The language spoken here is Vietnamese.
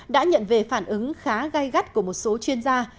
đã nhận về phản ứng khá gai gắt của một số chuyên gia